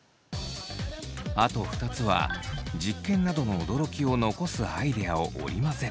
あと２つは実験などの驚きを残すアイデアを織り交ぜる。